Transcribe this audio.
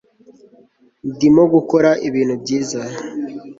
ndimo gukora ibintu byiza